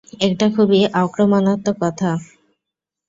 এটা খুবই আক্রমণাত্মক কথা।